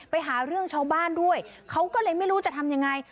ไปหาเรื่องชาวบ้านด้วยเขาก็เลยไม่รู้จะทำยังไง